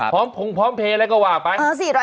พงพร้อมเพลย์อะไรก็ว่าไป